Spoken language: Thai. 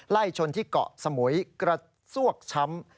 ไล่ชนที่เกาะสมุยกระซวกช้ำ